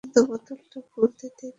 শুধু বোতলটা খুলতে দেরী!